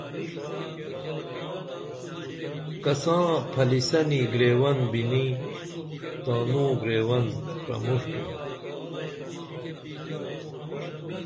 کساں پھلیسنی گریون بِنی تانوں گریون پرمُݜٹُم